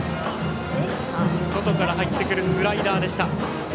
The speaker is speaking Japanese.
外から入ってくるスライダーでした。